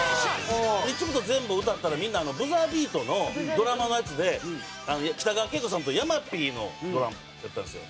『イチブトゼンブ』を歌ったらみんな『ブザー・ビート』のドラマのやつで北川景子さんと山Ｐのドラマやったんですよ。